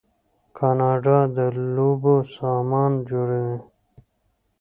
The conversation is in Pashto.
کاناډا د لوبو سامان جوړوي.